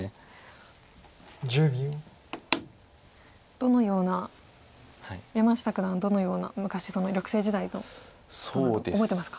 どのような山下九段はどのような昔緑星時代のことなど覚えてますか？